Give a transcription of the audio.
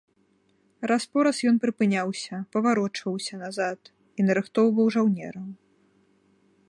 Раз-пораз ён прыпыняўся, паварочваўся назад і нарыхтоўваў жаўнераў.